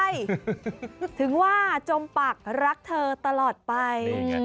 อยู่ข้างเราตลอดไง